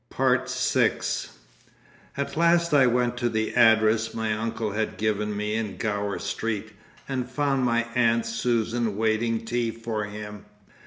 VI At last I went to the address my uncle had given me in Gower Street, and found my aunt Susan waiting tea for him.